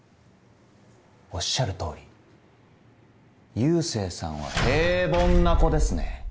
おっしゃる通り佑星さんは平凡な子ですね。